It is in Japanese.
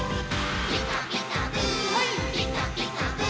「ピカピカブ！ピカピカブ！」